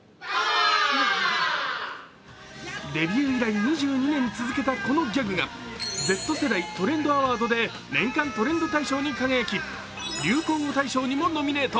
デビュー以来２２年続けたこのギャグがＺ世代トレンドアワードで年間トレンド大賞に輝き流行語大賞にもノミネート。